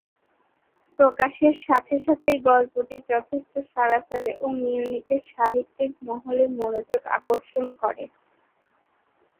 প্রকাশের সাথে সাথেই গল্পটি যথেষ্ট সাড়া ফেলে ও মিউনিখের সাহিত্যিক মহলের মনোযোগ আকর্ষণ করে।